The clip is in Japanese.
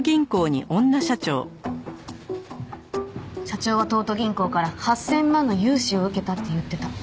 社長は東都銀行から８０００万の融資を受けたって言ってた。